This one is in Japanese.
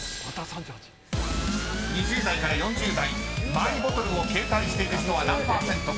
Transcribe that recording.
［２０代から４０代マイボトルを携帯している人は何％か］